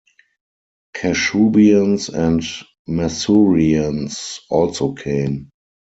Kashubians and Masurians also came.